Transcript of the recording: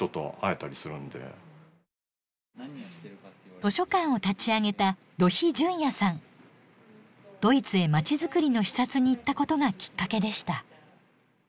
図書館を立ち上げたドイツへまちづくりの視察に行ったことがきっかけでした。